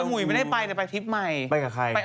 หุยไม่ได้ไปแต่ไปทริปใหม่ไปกับใคร